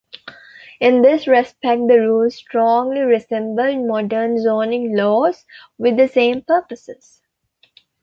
In this respect the rules strongly resembled modern zoning laws, with the same purposes.